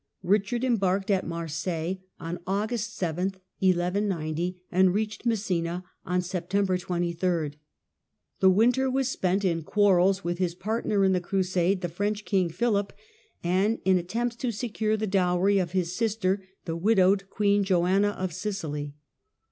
Richard embarked at Marseilles on August 7, 1 190, and reached Messina on September 23. The winter was spent in quarrels with his partner in the Crusade, the French king, Philip, and in attempts to secure the dowry of his sister, the widowed Queen Johanna of Sicily.